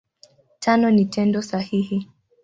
Tano ni Tendo sahihi.